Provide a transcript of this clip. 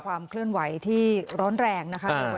ความเคลื่อนไหวที่ร้อนแรงนะคะ